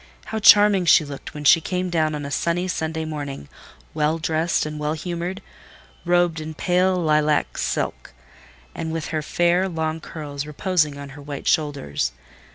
How charming she looked, when she came down on a sunny Sunday morning, well dressed and well humoured, robed in pale lilac silk, and with her fair long curls reposing on her white shoulders.